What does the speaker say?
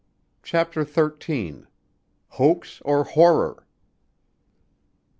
CHAPTER THIRTEEN Hoax or Horror?